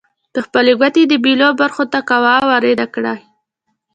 پر خپلې ګوتې د بیلو برخو ته قوه وارده کړئ.